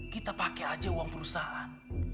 kita pakai aja uang perusahaan